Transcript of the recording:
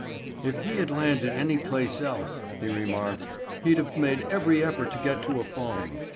"If he had landed any place else," he remarked, "he'd have made every effort to get to a phone.